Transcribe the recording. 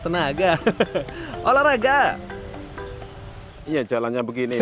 saya harus melewati tanjakan yang lumayan menggunakan